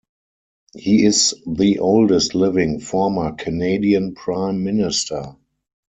He is the oldest living former Canadian prime minister.